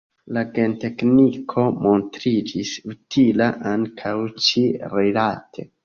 La gentekniko montriĝis utila ankaŭ ĉi-rilate.